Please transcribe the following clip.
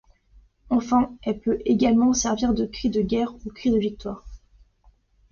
Enfin, elle peut également servir de cri de guerre ou cri de victoire.